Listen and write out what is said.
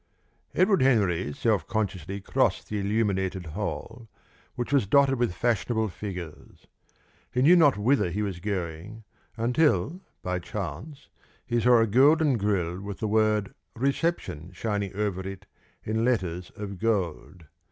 Edward Henry self consciously crossed the illuminated hall, which was dotted with fashionable figures. He knew not whither he was going, until by chance he saw a golden grille with the word "Reception" shining over it in letters of gold.